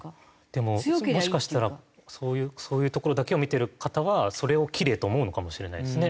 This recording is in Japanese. でももしかしたらそういうところだけを見てる方はそれをキレイと思うのかもしれないですね。